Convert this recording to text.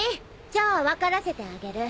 じゃあ分からせてあげる。